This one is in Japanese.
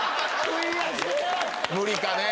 無理かね？